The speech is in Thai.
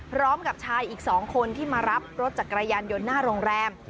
พร้อมกับชายอีก๒คนที่มารับรถจักรยานยนต์หน้าโรงแรม